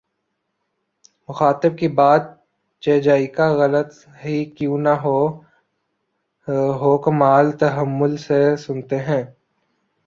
مخاطب کی بات چہ جائیکہ غلط ہی کیوں نہ ہوکمال تحمل سے سنتے ہیں